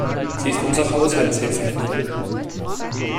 Sie ist unsere Haushaltshilfe.